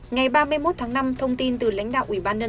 ngày ba mươi một tháng năm thông tin từ lãnh đạo